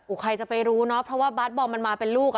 ใครจะไปรู้เนอะเพราะว่าบาสบอมมันมาเป็นลูกอ่ะ